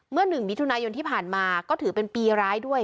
เมื่อหนึ่งมิถุนายนที่ผ่านมาก็ถือเป็นปีร้ายด้วย